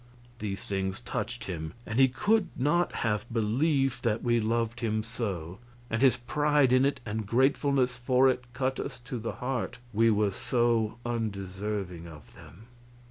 These things touched him, and he could not have believed that we loved him so; and his pride in it and gratefulness for it cut us to the heart, we were so undeserving of them.